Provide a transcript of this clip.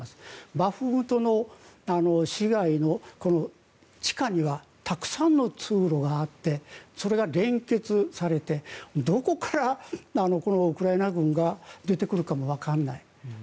バフムトの市街の地下にはたくさんの通路があってそれが連結されてどこからこのウクライナ軍が出てくるかもわからない。